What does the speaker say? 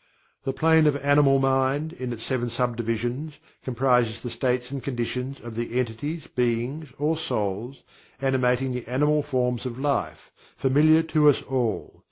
The Plane of Animal Mind, in its seven sub divisions, comprises the states and conditions of the entities, beings, or souls, animating the animal forms of life, familiar to us all.